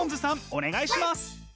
お願いします。